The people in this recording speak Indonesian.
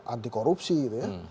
anti korupsi gitu ya